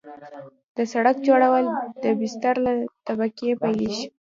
د سرک جوړول د بستر له طبقې پیلیږي